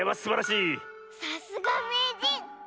さすがめいじん。